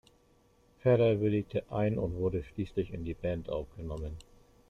Ferrer willigte ein und wurde schließlich in die Band aufgenommen.